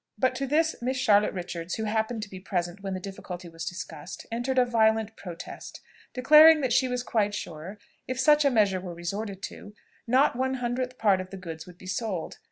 But to this Miss Charlotte Richards, who happened to be present when the difficulty was discussed, entered a violent protest, declaring that she was quite sure, if such a measure were resorted to, not one hundredth part of the goods would be sold.